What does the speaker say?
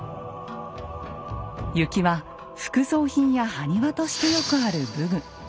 靫は副葬品や埴輪としてよくある武具。